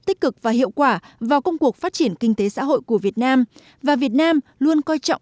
tích cực và hiệu quả vào công cuộc phát triển kinh tế xã hội của việt nam và việt nam luôn coi trọng